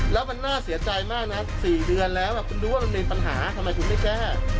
แล้วมันน่าเสียใจมากนะ๔เดือนแล้วคุณรู้ว่ามันมีปัญหาทำไมคุณไม่แก้